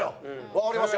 わかりました。